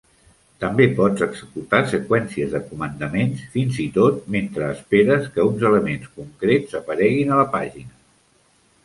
També pots executar seqüències de comandaments, fins hi tot mentre esperes que uns elements concrets apareguin a la pàgina.